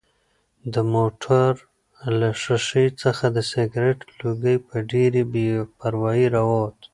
د موټر له ښیښې څخه د سګرټ لوګی په ډېرې بې پروایۍ راووت.